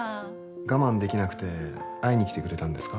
我慢できなくて会いにきてくれたんですか？